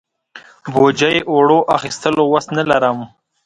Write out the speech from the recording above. بوجۍ اوړو اخستلو وس نه لرم.